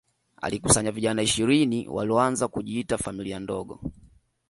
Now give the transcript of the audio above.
alikusanya vijana ishirini walioanza kujiita familia ndogo